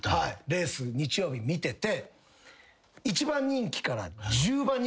レース日曜日見てて。